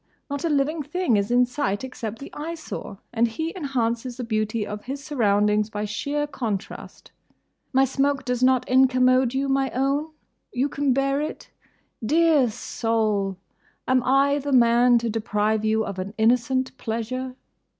Not a living thing is in sight except the Eyesore; and he enhances the beauty of his surroundings by sheer contrast. My smoke does not incommode you, my own?—You can bear it?—Dear soul! Am I the man to deprive you of an innocent pleasure?